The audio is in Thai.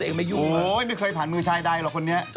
โอ้ยไม่ค่อยผ่านมือชายใดหรอกคนนี้